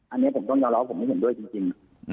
อันนี้ผมต้องยอมรับว่าผมไม่เห็นด้วยจริง